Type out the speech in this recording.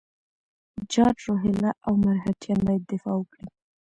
جاټ، روهیله او مرهټیان باید دفاع وکړي.